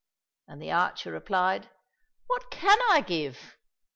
— And the archer replied, " What can I give